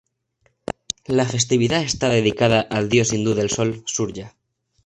La festividad está dedicada al dios hindú del sol, Surya".